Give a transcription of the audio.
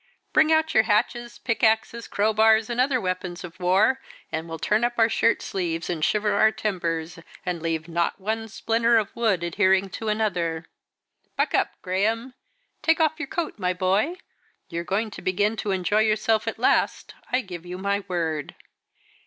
Bring out your hatchets, pickaxes, crowbars, and other weapons of war, and we'll turn up our shirt sleeves, and shiver our timbers, and not leave one splinter of wood adhering to another. Buck up, Graham! Take off your coat, my boy! You're going to begin to enjoy yourself at last, I give you my word."